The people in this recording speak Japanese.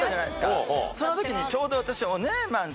その時にちょうど私。